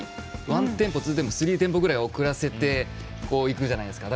ワンテンポ、ツーテンポスリーテンポくらい遅らせていくじゃないですか。